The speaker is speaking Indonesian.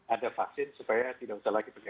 ada vaksin supaya tidak usah lagi pakai masker